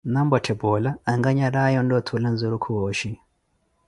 Nampotthe poola, ankanyaraaye ontta othuula nzurukhu wooshi.